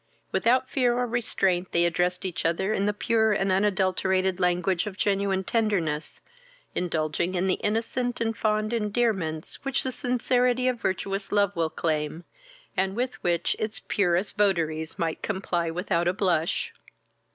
Without fear or restraint they addressed each other in the pure and unadulterated language of genuine tenderness, indulging in the innocent and fond endearments which the sincerity of virtuous love will claim, and with which its purest votaries might comply without a blush.